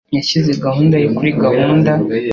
Yashyize gahunda ye kuri gahunda.